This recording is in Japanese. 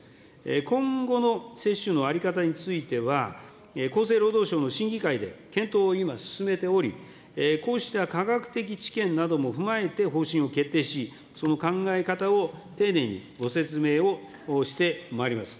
今後の接種の在り方については、厚生労働省の審議会で検討を今、進めており、こうした科学的知見なども踏まえて方針を決定し、その考え方を丁寧にご説明をしてまいります。